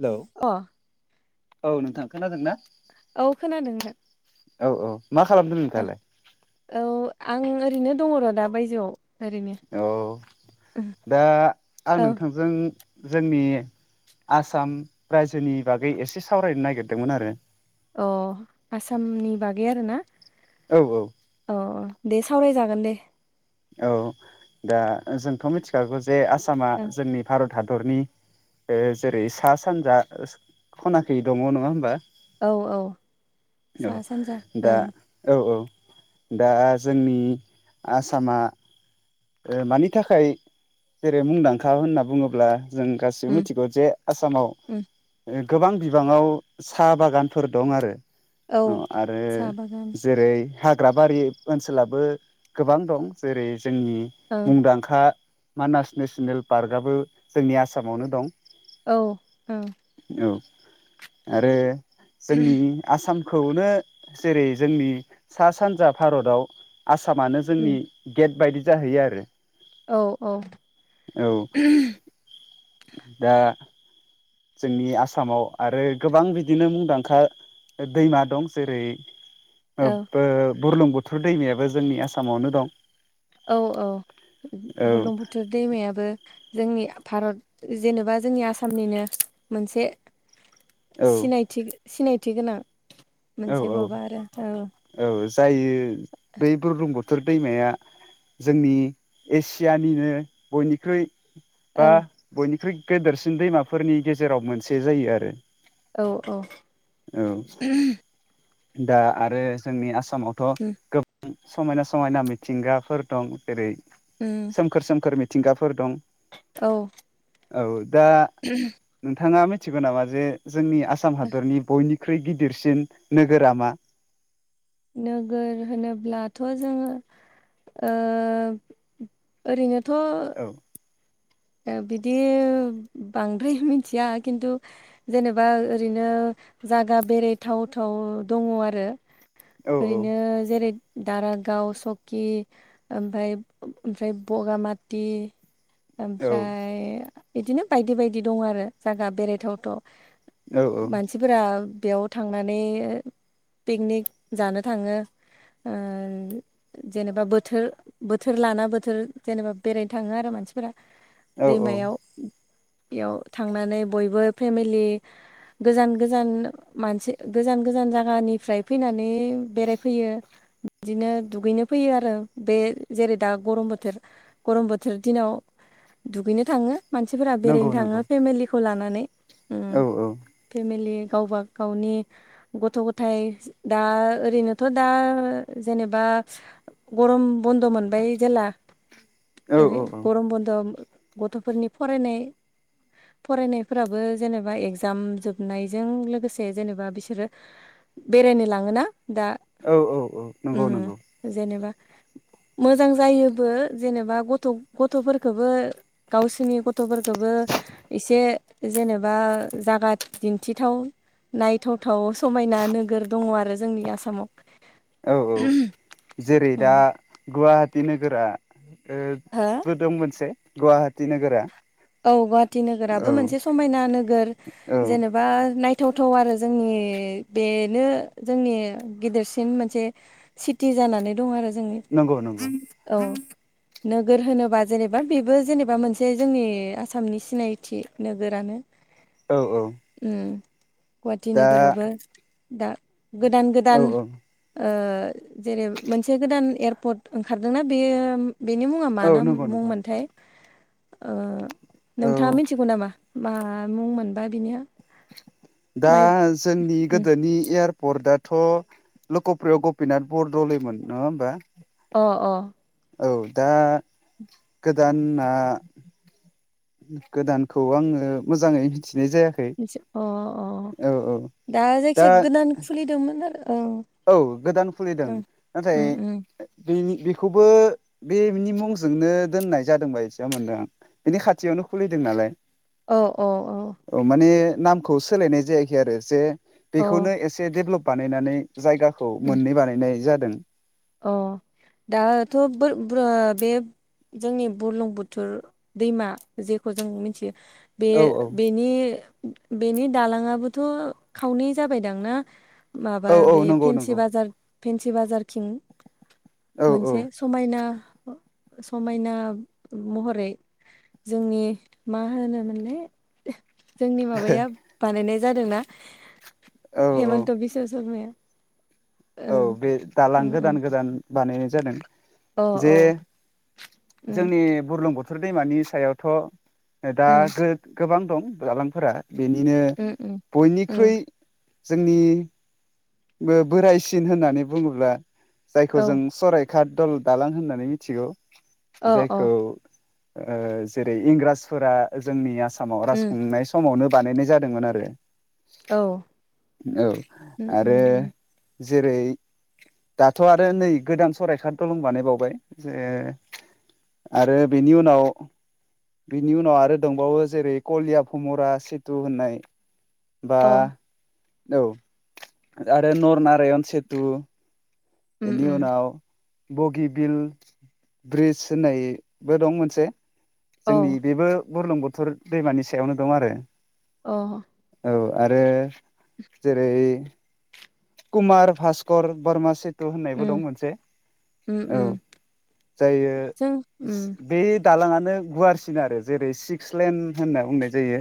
Hello अ औ नोंथां खोनादोंना औ खोनादों नोंथां औ औ मा खालामदों नोंथाङालाय? औ आं ओरैनो दङ र' दा बायजोआव ओरैनो औ दा आं औ नोंथांजों जोंनि आसाम रायजोनि बागै एसे सावरायनो नागिरदोंमोन आरो अह आसामनि बागै आरोना औ औ अह दे सावरायजागोन दे औ दा जोंथ' मिथिखागौ जे आसामा ओं जोंनि भारत हादरनि जेरै सा सानजा खनाखै दङ नङा होमबा औ औ सा औ सानजा दा ओं औ औ दा जोंनि आसामा मानि थाखाय जेरै मुंदांखा होनना बुङोब्ला जों गासिबो उम मिथिगौ जे आसामाव उम ओ गोबां बिबाङाव साहा बागानफोर दं आरो औ अ आरो साहा बागान जेरै हाग्राबारि ओनसोलाबो गोबां दं जेरै जोंनि ओं मुंदांखा मानास नेसनेल पार्कआबो जोंनि आसामावनो दं औ औ औ आरो जोंनि आसाम खौनो जेरै जोंनि सा सानजा भारताव आसामानो उम जोंनि गेट बायदि जाहैयो आरो औ औ औ दा जोंनि आसामाव आरो गोबां बिदिनो मुंदांखा दैमा दं जेरै औ बुरलुं बुथुर दैमायाबो जोंनि आसामावनो दं औ औ औ बुरलुंबुथुर दैमायाबो जोंनि भारत जेनेबा जोंनि आसामनिनो मोनसे औ सिनायथि सिनायथि गोनां औ मोनसे माबा आरो औ औ जायो बै बुरलुंबुथुर थुर दैमाया जोंनि एसियानिनो बयनिख्रुइ औ बा बयनिख्रुइ गेदेरसिन दैमाफोरनि गेजेराव मोनसे जायो आरो औ औ औ दा आरो जोंनि आसामावथ' उम गोबां समायना समायना मिथिंगाफोर दं जेरै उम सोमखोर सोमखोर मिथिंगाफोर दं औ औ दा नोंथाङा मिथिगौ नामा जे जोंनि आसाम हादरनि बयनिख्रुइ गिदिरसिन नोगोरा मा नोगोर होनोब्लाथ' जोङो ओ ओरैनोथ' औ बिदि बांद्राय मिथिया खिन्थु जेनेबा ओरैनो जायगा बेरायथाव थाव दङ आरो औ औ ओरैनो जेरै दारागाव सकि ओमफ्राय ओमफ्राय बगामाथि औ ओमफ्राय बिदिनो बायदि बायदि दं आरो जायगा बेरायथावथाव औ मानसिफोरा बेयाव थांनानै पिकनिक जानो थाङो ओ जेनेबा बोथोर बोथोर लाना बोथोर जेनेबा बेरायनो थाङो आरो मानसिफोरा औ औ दैमायाव बेयाव थांनानै बयबो फेमिलि गोजान गोजान मानसि गोजान गोजान जायगानिफ्राय फैनानै बेरायफैयो। बिदिनो दुगैनो फैयो आरो बे जेरै दा गरम बोथोर गरम बोथोर दिनाव दुगैनो थाङो मानसिफोरा नंगौ बेरायनो नंगौ थाङो फेमिलिखौ लानानै। उम औ औ फेमिलि गावबा गावनि गथ' गथाय दा ओरैनोथ' दा जेनेबा गरम बन्द मोनबाय जेला औ ओरै गरम बन ओम गथ'फोरनि फरायनाय फरायनायफोराबो जेनेबा एगजाम जोबनायजों लोगोसे जेनेबा बिसोरो बेरायनो लाङोना दा औ औ औ नंगौ नंगौ मम जेनेबा मोजां जायोबो जेनेबा गथ' गथ'फोर खोबो गावसोरनि गथ'फोरखौबो एसे जेनेबा जागा दिन्थिथाव नायथावथाव समायना नोगोर दङ आरो जोंनि आसामाव औ औ जेरै हो दा गुवाहाटी नोगोरा ओ बो दं मोनसे गुवाहाटि नोगोरा औ गुवाहाटि औ नोगोराबो मोनसे समायना नोगोर औ जेनेबा नाय थावथाव आरो जोंनि बेनो जोंनि गिदिरसिन मोनसे सिटि जानानै दं आरो जोंनि नंगौ नंगौ औ नोगोर होनोबा जेनेबा बेबो जेनेबा मोनसे जोंनि आसामनि सिनायथि नोगोरानो औ औ उम गुवाहाटि दा नोगोरावबो दा गोदान औ गोदान औ ओ जेरै मोनसे गोदान एयारपर्ट ओंखारदोंना बे बेनि मुङा मा औ ना नंगौ नंगौ मुंमोनथाय ओ औ नोंथाङा मिथिगौ नामा? मा मुंमोनबा बिनिया दा माइ जोंनि उम गोदोनि एयार पर्ट दाथ' लक'प्रिय' गपिनाथ बरदलैमोन नङा होमबा अ अ औ दा गोदाना गोदानखौ आङो मोजाङै मिथि मिथि अ अ औ दा जायखिया दा गोदान खुलिदोंमोन आरो औ औ गोदान खुलिदों ओं नाथाय उम उम बेनि बेखौबो बेनि मुंजोंनो दोननाय जादों बायदि मोनदों आं बेनि खाथियावनो खुलिदों नालाय औ औ औ नामखौ सोलायनाय जायाखै आरो जे औ बेखौनो एसे डेभ्लप बानायनानै जायगाखौ उम मोननै बानायनाय जादों। अ दाथ' बोर ब्रु बे जोंनि बुरलुंबुथुर दैमा जेखौ जों मिथियो बे औ औ बेनि बेनि दालांयाबोथ' खावनै जाबाय दांना। माबा औ औ बे नंगौ फेनसि नंगौ बाजार फेनसि बाजारथिं औ औ मोनसे समायना समायना महरै जोंनि मा होनोमोनलाय जोंनि माबाया बानायनाय जादोंना औ औ हेमन्त बिस्वशर्माया। औ बे दालां ओं गोदान ओं गोदान बानायनाय जादों। अ जे औ उम जोंनि बुरलुंबु थुर दैमानि सायावथ' दा उम गोबां दं दालांफोरा बेनिनो उम उम उम बयनिख्रुइ जोंनि बोराइ सिन होननानै बुङोब्ला जायखौ औ जों सरायघाट दालां होननानै मिथिगौ। औ औ जायखौ जेरै इंराजफोरा जोंनि आसाम आसामाव राज उम खुंनाय समावनो बानायनाय जादोंमोन आरो। औ औ उम आरो उम उम जेरै - दाथ' आरो नै गोदान सरायघाट दलं बानाय बावबाय जे ओ। आरो बेनि उनाव बिनि उनाव आरो दंबावो जेरै कलिया भमरा सेतु होननाय बा अ औ आरो नरनारायण सेतु। उम एनि उम उनाव बगि बिल ब्रिज होननाय-बो दं मोनसे। औ जोंनि बेबो बुरलुंबुथुर दैमानि सायावनो दं आरो। अ औ आरो जेरै कुमार भास्कर बरमासेत होननायबो दं उम मोनसे उम औ उम जायो जों उम बेद दालांआनो गुवारसिन आरो जेरै सिक्स लेन होनना बुंनाय जायो।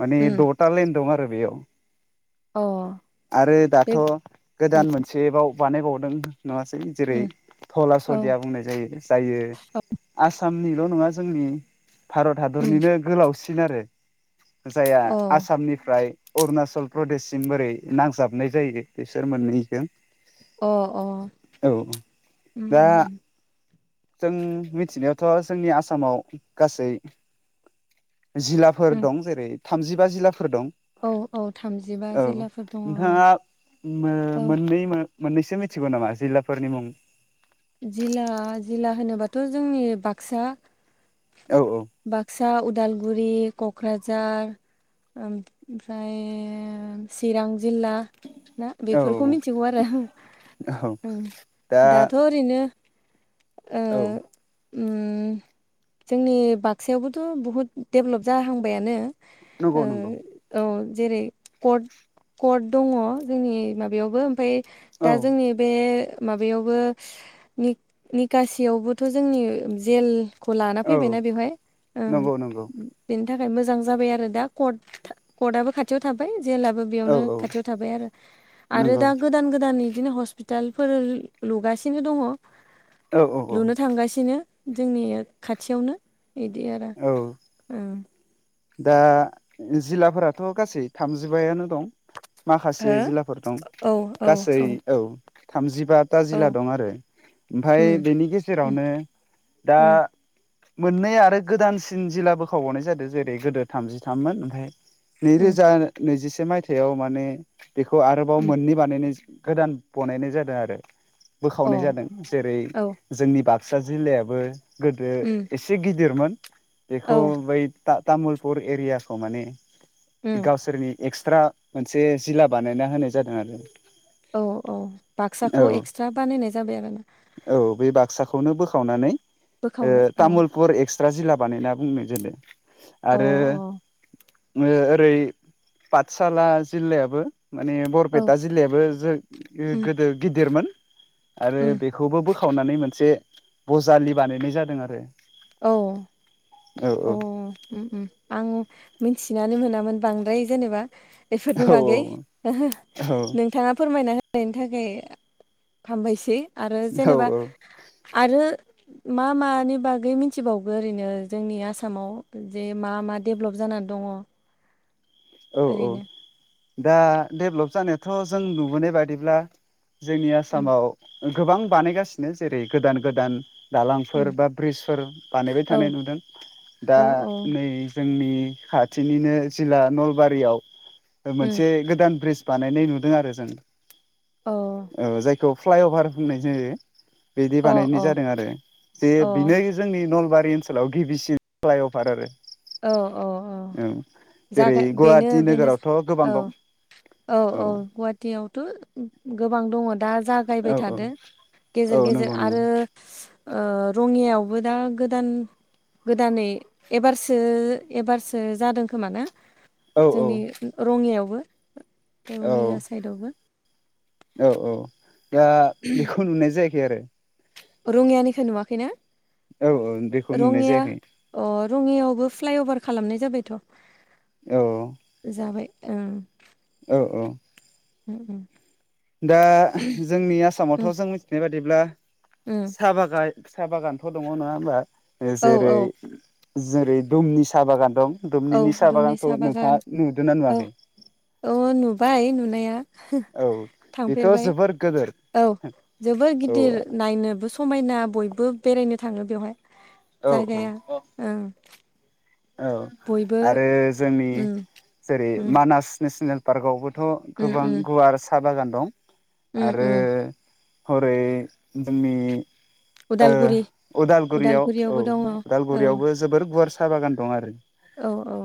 माने उम द'ता लाइन दं आरो बेयाव अ आरो दा बे गोदान मोनसे बाव बानायबावदों। नङासै जेरै उम थला औ सदिया बुंनाय जायो जायो आसाम। निल' नङा जोंनि भारत उम हादरनिनो गोलावसिन आरो। जायहा अ आसामनिफ्राय अरुणाचल प्रदेशसिम बोरै नांजाबनाय जायो। बिसोर मोननैजों। अ अ औ ओम दा ओम। जों मिथिनायावथ' जोंनि आसामाव गासै जिल्लाफोर उम दं जेरै थामजिबा जिल्लाफोर दं। औ औ थामजिबा जिल्लाफोर दङ औ। ओ औ मोननै मोननैसो मिथिगौ नामा जिल्लाफोरनि मुं जिल्ला जिल्ला होनोबाथ' जोंनि बाक्सा। औ बाक्सा उदालग उदालगुरि क'क्राझार ओमफ्रायो चिरां। जिल्ला ना औ बेफोरखौ मिथिगौ आरो होम। औ ओम दा दाथ' ओरैनो। ओ औ ओम जोंनि बाग बाक्सायावबोथ' बुहुद डेभलप जाहांबायानो नंगौ नंगौ ओ अह। जेरै कट कर्ट दङ जोंनि माबायावबो ओमफाय जो औ दा जोंनि बे माबायावबो निक निकासियावबोथ' जोंनि जेल खौ लाना औ फैबायना बेवहाय। नंगौ नंगौ। नि थाखाय मोजां जाबाय आरो दा कद-कदआबो खाथियाव थाबाय। जेलाबो औ बेयावनो औ खाथियाव थाबाय आरो आरो नंगौ दा गोदान गोदाननि। बिदिनो हस्पिटालफोर लुगासिनो दङ औ औ औ लुनो थांगासिनो। जोंनि खाथियावनो इदि आरो औ ओ। दा जिल्लाफोराथ' गासै थामजिबायानो। दं माखासे हो जिला फोर दं औ औ गासै औ थामजिब ता ता औ जिला दं आरो ओमफाय उम बेनि उम गेजेरावनो दा उम मोननैया आरो गोदानसिन जिला बोखावबावनाय जादों जेरै गोदो थामजिथाममोन ओमफाय। उम नैरोजा नैजिसे मायथाइयाव माने बेखौ आरोबाव उम मोननै बानायनाय ज। गोदान बनायनाय जादों आरो बोखावनाय जादों अ जेरै औ जोंनि बाग। बाक्सा जिल्लायाबो गोदो उम इसे गिदिरमोन। औ बेखौ बै ता-तामुलपुर एरियाखौ माने उम गावसोरनि। एक्सट्रा मोनसे जिला बानायना होनाय जादों आरो। औ औ बाक्साखौ औ एक्सट्रा बानायनाय जाबाय आरो। खौनो बोखावनानै ओ औ तामुलपुर एक्सट्रा जिल्ला बानायना बुंनो जादो अ आरो ओ ओरै पाठसाला जिल्लायाबो माने औ बरपेटा जिल्लायाबो जो उम गोदो गिदिरमोन आरो उम बेखौबो बोखावनानै मोनसे बजालि बानायनाय जादों आरो औ औ औ उम उम आं मिथिनानै मोनामोन बांद्राय जेनेबा बेफोरनि औ बागै औ नोंथाङा फोरमायना हो नायनि थाखाय हामबायसै आरो औ जेनेबा औ आरो मा मानि बागै मिथिबावगो ओरैनो जोंनि आसामाव जे मा मा डेभेलप जाना दङ औ औ ओरैनो दा डेभेलप जानायाथ' जों नुुबोनाय बादिब्ला जोंनि उम आसामाव गोबां बानायगासिनो जेरै गोदान गोदान दालांफोर उम बा ब्रिजफोर बानायबाय औ थानाय नुदों दा औ औ नै जोंनि खाथिनिनो जिल्ला नलबारियाव उम मोनसे गोदान ब्रिज बानायनाय नुदों आरो जों औ औ जायखौ फ्लाइअभार होननाय जायो बिदि अ बानायनाय जादों आरो जे अ बिनो जोंनि नलबार रि ओनसोलाव गिबिसिन फ्लाइअभार आरो औ औ औ जेरै जागाय बेनो गुवाहाटि बेनो नोगोरावथ' गोबां दं औ औ औ गुवाहाटीयावथ' गोबां दङ दा औ जागायबाय औ थादो औ गेजेर गेजेर नंगौ नंगौ आरो ओ रङियावबो दा गोदान गोदानै एबारसो सो एबारसो जादों खोमा ना औ औ जोंनि रङियायावबो औ रङिया साइदआवबो औ औ दा बेखौ नुनाय जायाखै आरो रङियानिखो नुवाखैना औ औ बेखौ नुनाय रङिया जायाखै अ रङियाव बो फ्लाइअभार खालामनाय जाबायथ' औ जाबाय ओं औ औ उम उम दा जोंनि आसामावथ' उम जों मिथिनाय बादिब्ला उम साहा बागाय साहा बागानफोर' दङ नङा होमबा औ जेरै औ जेरै दुमनि सा बागान दं औ दुमनिनि साहा दुमनि बागानखौ सा नोंथाङा बागान नुदोंना औ नुवाखै औ नुबाय नुनाया औ बेथ' थांफेरबाय जोबोर गोदोर औ जोबोर औ गिदिर नायनोबो स समायना बयबो बेरायनो थाङो बेयावहाय औ जायगाया ओं औ बयबो आरो जोंनि उम जेरै उम मानास नेसनेल पार्कआवबो थ' उम गोबां उम गुवार सा बागान दं उम आरो उम हरै जोंनि ओ उदालगुरि उदालगुरियाव औ उदालगुरियावबो दङ उदालगुरियावबो जोबोर गुवारस सा बागान दं आरो औ औ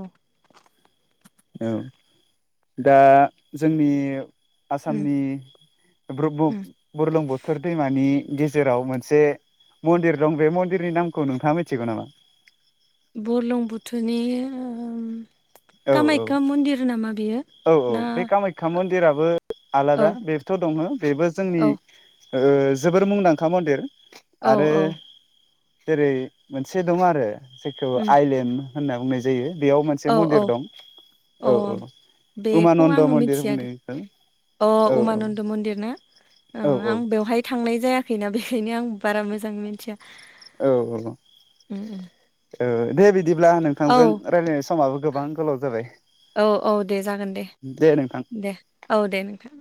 औ दा जोंनि उम आसामनि बुरबु उम बुरलुंबुथुर दैमानि गेजेराव मोनसे मन्दिर दं बे मन्दिरनि नामखौ नोंथाङा मिथिगौ नामा उम औ औ कामाख्या मन्दिर नामा बेयो ना दिराबो औ आलादा बेथ' दङो बेबो जोंनि औ ओ जोबोर मुंदांखा मन्दिर औ आरो औ जेरै मोनसे दं आरो जेखौ उम आइलेण्ड होनना बुंनाय जायो बेयाव मोनसे औ मन्दिर औ दं अ औ औ बेखौ उमानन्द आङो मन्दिर मिथिया बुंनो दो बेखौ अ औ उमानन्द मन्दिर ना ओंखौ औ आं बेवहाय थांनाय जायाखैना बेखायनो आं बारा मोजां मिथिया औ औ ओ उम उम दे बिदि दिब्ला औ नोंथांजों रायलायनाय समाबो गोबां गोलाव जाबाय औ औ दे जागोन दे दे औ दे नोंथां